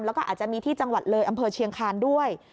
แล้วก็อาจจะมีที่จังหวัดเลยอำเภอเชียงคานด้วย